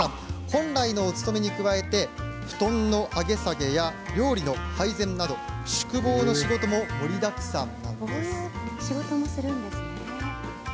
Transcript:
本来のおつとめに加えて布団の上げ下げや料理の配膳など宿坊の仕事も盛りだくさん。